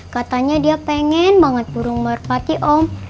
katanya dia pengen banget burung merpati om